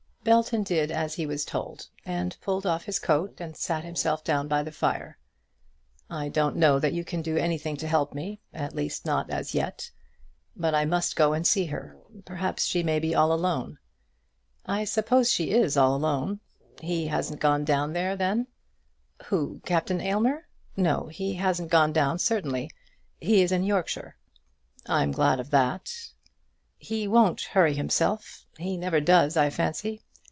Belton did as he was told; he pulled off his coat and sat himself down by the fire. "I don't know that you can do anything to help me, at least, not as yet. But I must go and see after her. Perhaps she may be all alone." "I suppose she is all alone." "He hasn't gone down, then?" "Who; Captain Aylmer? No; he hasn't gone down, certainly. He is in Yorkshire." "I'm glad of that!" "He won't hurry himself. He never does, I fancy.